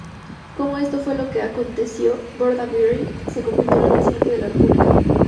Como esto fue lo que aconteció, Bordaberry se convirtió en Presidente de la República.